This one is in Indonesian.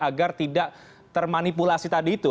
agar tidak termanipulasi tadi itu